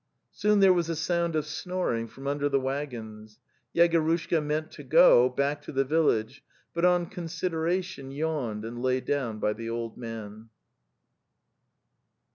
Soon there was a sound of snoring from under the waggons. Yegorushka meant to go back to the village, but on consideration, yawned and lay down by the old man.